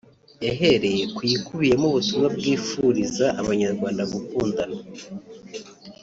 yahereye kuyikubiyemo ubutumwa bwifuriza abanyarwanda gukundana